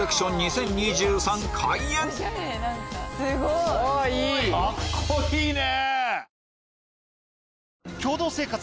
すごい！カッコいいね！